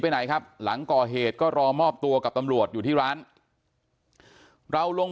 ไหนครับหลังก่อเหตุก็รอมอบตัวกับตำรวจอยู่ที่ร้านเราลง